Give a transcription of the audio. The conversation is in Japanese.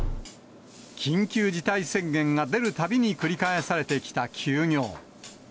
緊急事態宣言が出るたびに繰り返されてきた休業。